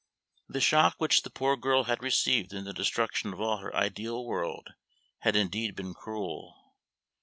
The shock which the poor girl had received in the destruction of all her ideal world had indeed been cruel.